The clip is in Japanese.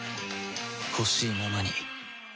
ほしいままに